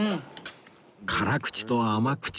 辛口と甘口